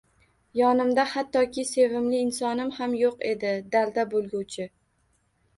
Yonimda hattoki sevimli insonim ham yo`q edi dalda bo`lguvchi